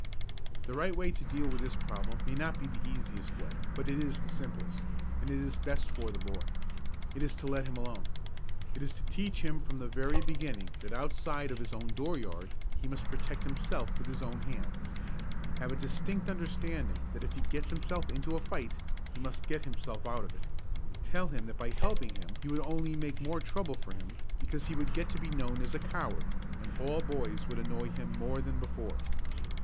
The right way to deal with this problem may not be the easiest way but it is the simplest, and it is the best for the boy. It is to let him alone. It is to teach him from the very beginning that outside of his own dooryard he must protect himself with his own hands. Have a distinct understanding that if he gets himself into a fight, he must get himself out of it. Tell him that by helping him you would only make more trouble for him because he would get to be known as a coward, and all the boys would annoy him more than before.